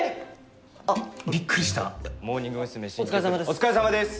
お疲れさまです。